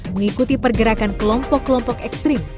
mengikuti pergerakan kelompok kelompok ekstrim